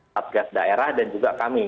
satgas daerah dan juga kami